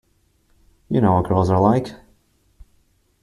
You know what girls are like.